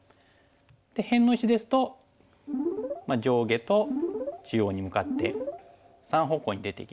で辺の石ですと上下と中央に向かって３方向に出ていきます。